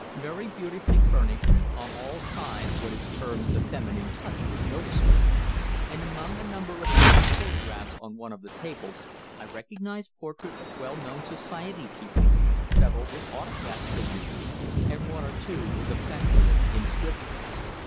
Very beautifully furnished, on all sides what is termed the "feminine touch" was noticeable, and among a number of framed photographs on one of the tables I recognized portraits of well known Society people, several with autograph signatures, and one or two with affectionate inscriptions.